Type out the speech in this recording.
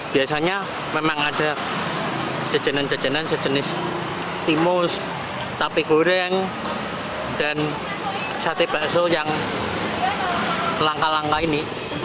biasanya memang ada jajanan jajanan sejenis timus tapi goreng dan sate bakso yang langka langka ini